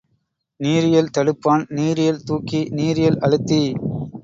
நீரியல் தடுப்பான், நீரியல் தூக்கி, நீரியல் அழுத்தி.